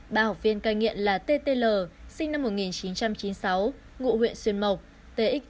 ba học viên cai nghiện là t t l sinh năm một nghìn chín trăm chín mươi sáu ngụ huyện xuyên mộc